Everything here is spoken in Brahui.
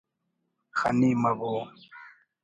خنی مبو